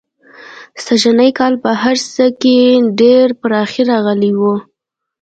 سږنی کال په هر څه کې ډېره پراخي راغلې وه.